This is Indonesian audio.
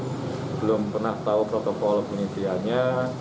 belum pernah tahu protokol penyediaannya